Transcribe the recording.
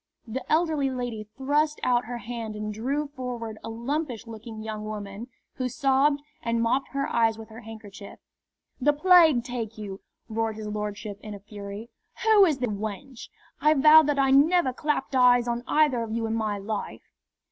The elderly lady thrust out her hand and drew forward a lumpish looking young woman, who sobbed and mopped her eyes with her handkerchief. "The plague take you!" roared his lordship, in a fury. "Who is the wench? I vow that I never clapped eyes on either of you in my life!"